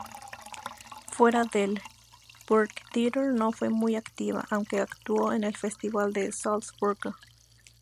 Fuera del Burgtheater no fue muy activa, aunque actuó en el Festival de Salzburgo.